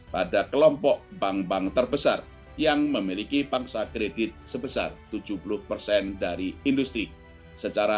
pada kelompok bank bank terbesar yang memiliki pangsa kredit sebesar tujuh puluh persen dari industri secara